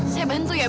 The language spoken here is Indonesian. saya bantu ya bu